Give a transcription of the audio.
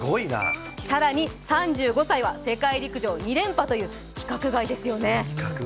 更に３５歳は世界陸上２連覇という規格外ですよね。